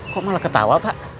kok malah ketawa pak